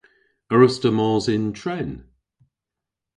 A wruss'ta mos yn tren?